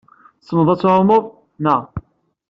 Tessneḍ ad tɛummeḍ, yak?